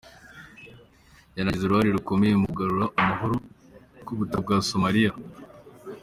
Yanagize uruhare rukomeye mu kugarura amahoro ku butaka bwa Somalia.